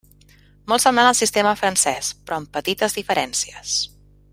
Molt semblant al sistema francès, però amb petites diferències.